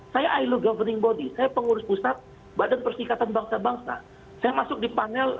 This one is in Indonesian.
saya ilo governing body saya pengurus pusat badan persikatan bangsa bangsa saya masuk di panel